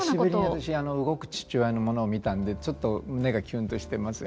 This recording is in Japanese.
久しぶりに私動く父親のものを見たのでちょっと胸がキュンとしてます。